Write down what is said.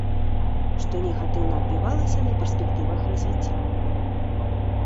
Што негатыўна адбівалася на перспектывах развіцця.